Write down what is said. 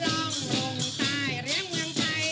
ลองลงใต้เลี้ยงเมืองไทย